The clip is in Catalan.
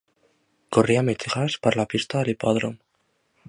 Corri a mig gas per la pista de l'hipòdrom.